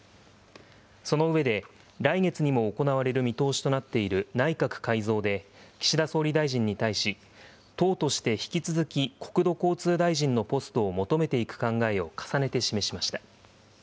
その上で、来月にも行われる見通しとなっている内閣改造で、岸田総理大臣に対し、党として引き続き国土交通大臣のポストを求めていく考えを重ねて示しました。